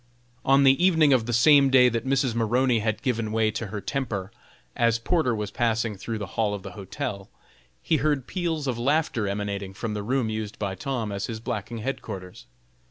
On the evening of the same day that Mrs. Maroney had given way to her temper, as Porter was passing through the hall of the hotel, he heard peals of laughter emanating from the room used by Tom as his blacking headquarters.